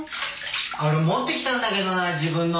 俺持ってきたんだけどな自分の。